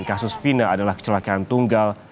kasus fina adalah kecelakaan tunggal